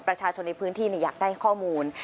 ประชาชนในพื้นที่อยากได้ข้อมูล